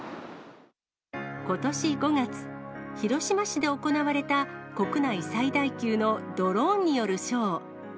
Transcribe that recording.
ことし５月、広島市で行われた国内最大級のドローンによるショー。